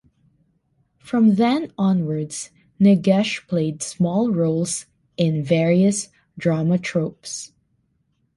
From then onwards, Nagesh played small roles in various drama troupes.